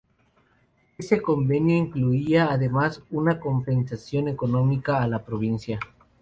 Este convenio incluía además una compensación económica a la provincia.